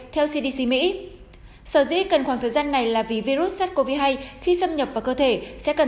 theo cdc mỹ sở dĩ cần khoảng thời gian này là vì virus sars cov hai khi xâm nhập vào cơ thể sẽ cần